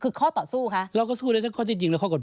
ซึ่งแปลว่าจะสู้แปลว่าจะสู้คนทำคดีด้วยใช่ไหม